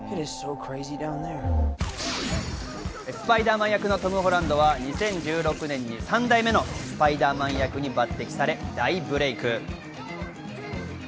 スパイダーマン役のトム・ホランドは２０１６年に３代目のスパイダーマン役に抜擢され大ブレイク。